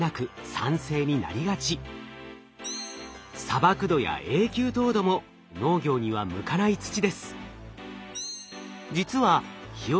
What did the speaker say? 砂漠土や永久凍土も農業には向かない土です。